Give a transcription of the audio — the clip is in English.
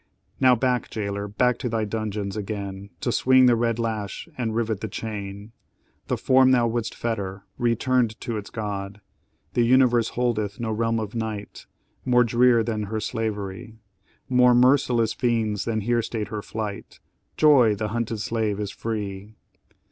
"Now back, jailor, back to thy dungeons, again, To swing the red lash and rivet the chain! The form thou would'st fetter returned to its God; The universe holdeth no realm of night More drear than her slavery More merciless fiends than here stayed her flight Joy! the hunted slave is free!